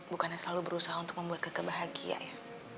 bukannya selalu berusaha untuk membuat kita bahagia ya